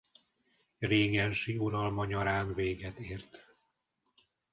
Régensi uralma nyarán véget ért.